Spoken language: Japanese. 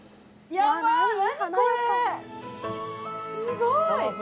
すごい！